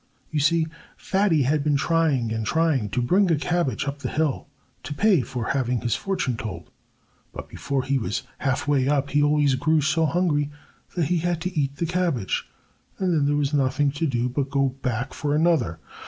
You see, Fatty had been trying and trying to bring a cabbage up the hill, to pay for having his fortune told. But before he was half way up he always grew so hungry that he had to eat the cabbage, and then there was nothing to do but go back for another.